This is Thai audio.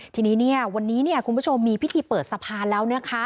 ทีนี้วันนี้คุณผู้ชมมีพิธีเปิดสะพานแล้วนะคะ